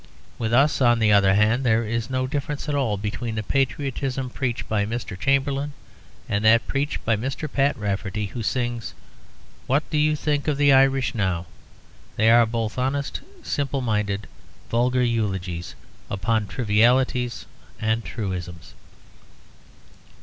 With us, on the other hand, there is no difference at all between the patriotism preached by Mr. Chamberlain and that preached by Mr. Pat Rafferty, who sings 'What do you think of the Irish now?' They are both honest, simple minded, vulgar eulogies upon trivialities and truisms.